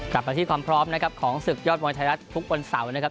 กลับมาที่ความพร้อมนะครับของศึกยอดมวยไทยรัฐทุกวันเสาร์นะครับ